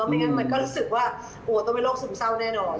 ไม่งั้นมันก็รู้สึกว่าโอ้ต้องเป็นโรคซึมเศร้าแน่นอน